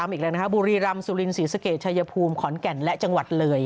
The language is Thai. อีกแล้วนะครับบุรีรำสุรินศรีสะเกดชายภูมิขอนแก่นและจังหวัดเลย